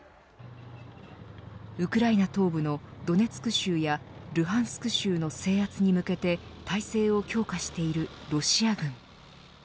ウクライナ東部のドネツク州やルハンスク州の制圧に向けて態勢を強化しているロシア軍。